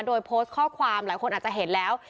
โดยโพสต์ข้อความหลายคนอาจจะเห็นแล้ว